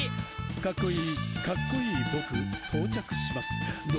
「かっこいいかっこいい僕到着しますー」